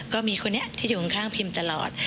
ก็มีคนนี้ที่อยู่ข้างพิมตลอด